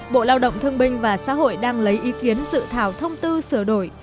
bộ lao động thương binh và xã hội đang lấy ý kiến dự thảo thông tư sửa đổi